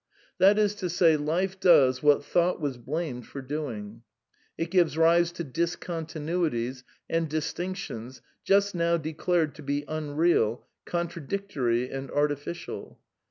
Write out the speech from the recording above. That is to say. Life does what Thought was blamed for doing. It gives rise to discontinuities and distinctions just now declared to be unreal, contradictory and artificial.